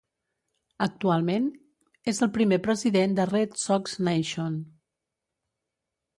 Actualment és el primer president de Red Sox Nation.